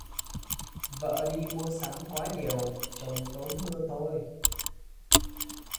Vợ đi mua sắm quá nhiều, chồng tốn bưa thôi